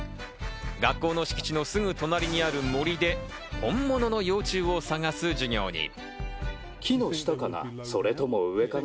学校の敷地のすぐ隣にある森で本物の幼虫を探す授業に。